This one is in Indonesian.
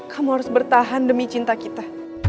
kamu harus bertahan demi cinta kita